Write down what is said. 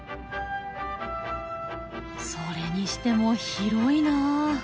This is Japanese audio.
それにしても広いなあ。